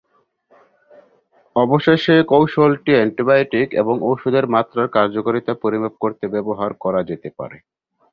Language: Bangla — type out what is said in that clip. অবশেষে, কৌশলটি অ্যান্টিবায়োটিক এবং ওষুধের মাত্রার কার্যকারিতা পরিমাপ করতে ব্যবহার করা যেতে পারে।